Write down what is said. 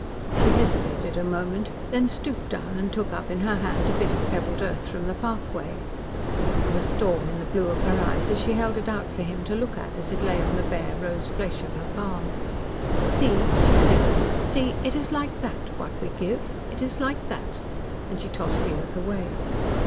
She hesitated a moment, then stooped down and took up in her hand a bit of pebbled earth from the pathway. There was storm in the blue of her eyes as she held it out for him to look at as it lay on the bare rose flesh of her palm. "See," she said, "see, it is like that what we give. It is like that." And she tossed the earth away.